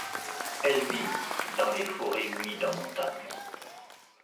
Elle vit dans les forêts humides en montagne.